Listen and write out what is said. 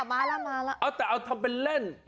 มาแล้วมาแล้วเอาแต่เอาทำเป็นเล่น